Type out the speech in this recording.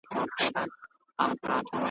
هم پر کور هم یې پر کلي شرمولې .